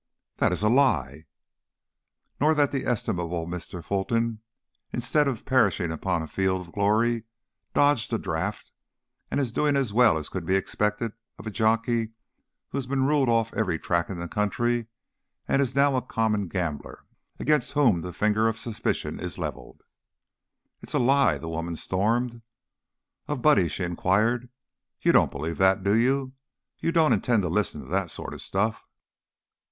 "That is a lie!" "Nor that the estimable Mr. Fulton, instead of perishing upon the field of glory, dodged the draft and is doing as well as could be expected of a jockey who has been ruled off every track in the country, and is now a common gambler against whom the finger of suspicion is leveled " "It's a lie!" the woman stormed. Of Buddy she inquired: "You don't believe that, do you? You don't intend to listen to that sort of stuff?"